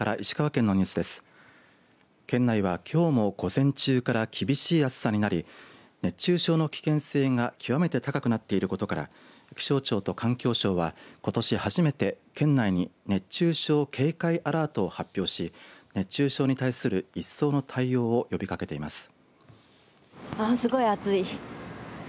県内は、きょうも午前中から厳しい暑さになり熱中症の危険性が極めて高くなっていることから気象庁と環境省は、ことし初めて県内に熱中症警戒アラートを発表し熱中症に対する一層の対応を呼びかけています。